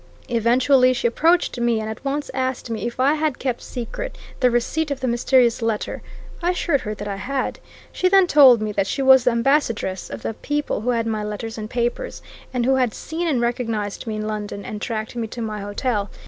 Eventually she approached me, and at once asked me if I had kept secret the receipt of the mysterious letter? I assured her that I had. She then told me that she was the ambassadress of the people who had my letters and papers, and who had seen and recognized me in London and tracked me to my hotel.